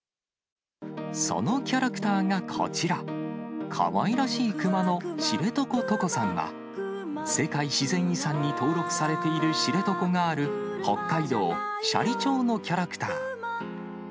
そのキャラクターがこちら、かわいらしいクマの、知床トコさんは、世界自然遺産に登録されている知床がある北海道斜里町のキャラクター。